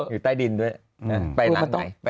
อยู่ใต้ดินด้วย